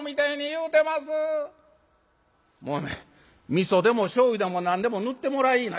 「みそでもしょうゆでも何でも塗ってもらいぃな」。